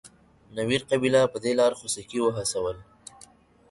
نوير قبیله په دې لار خوسکي وهڅول.